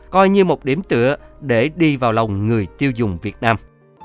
coi như một điểm tựa để đi vào lòng người tiêu dùng việt nam